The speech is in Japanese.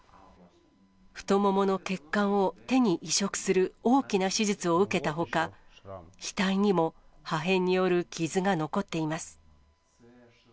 太ももの血管を手に移植する大きな手術を受けたほか、額にも破片による傷が残っています。